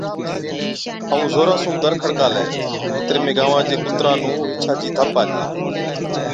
ائُون زورا سُون دَر کڙڪالَي۔ اِتري ۾ گانوان چي ڪُتران نُون رِينڇا چِي ڌپ آلِي،